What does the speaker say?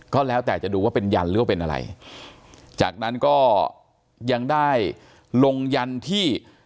ก็แล้วแต่จะดูว่าเป็นยันหรือว่าเป็นอะไรจากนั้นก็ยังได้ลงยันที่